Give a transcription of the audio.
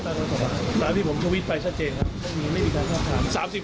ตามที่ผมทวิตไปชัดเจนครับ